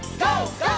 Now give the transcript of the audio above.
ＧＯ！